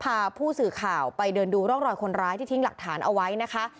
พาผู้สื่อข่าวไปเดินดูร่องรอยคนร้ายที่ทิ้งหลักฐานเอาไว้นะคะ